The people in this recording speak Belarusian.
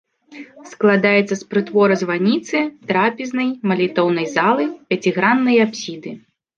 Складаецца з прытвора-званіцы, трапезнай, малітоўнай залы, пяціграннай апсіды.